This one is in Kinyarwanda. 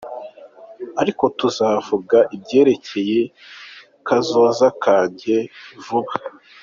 Ariko tuzovuga ivyerekeye kazoza kanje vuba.